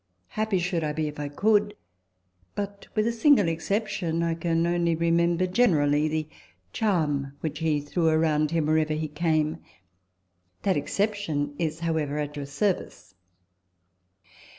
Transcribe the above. Happy should I be if I could ; but, with a single exception, I can only remember generally the charm which he threw around him wherever he came. That exception is however at your service.